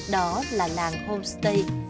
đó là làng homestay